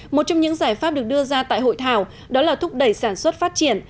một trong những giải pháp được đưa ra tại hội thảo đó là thúc đẩy sản xuất phát triển